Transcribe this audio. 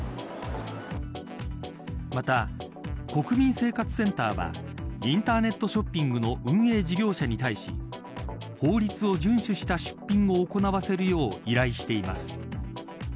また国民生活センターはインターネットショッピングの運営事業者に対し法律を順守した出品を行わせるよう依頼しています。